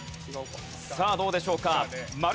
さあどうでしょうか？